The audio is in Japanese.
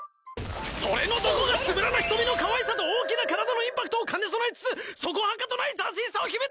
それのどこがつぶらな瞳のかわいさと大きな体のインパクトを兼ね備えつつそこはかとない斬新さを秘めた。